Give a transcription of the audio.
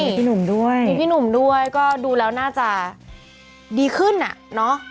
มีพี่หนุ่มด้วยมีพี่หนุ่มด้วยก็ดูแล้วน่าจะดีขึ้นอ่ะเนาะ